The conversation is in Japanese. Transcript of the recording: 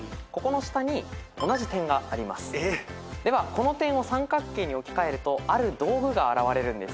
この点を三角形に置き換えるとある道具が現れるんです。